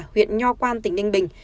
huyện nho quan tỉnh ninh bình